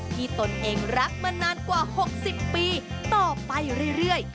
ตนเองรักมานานกว่า๖๐ปีต่อไปเรื่อย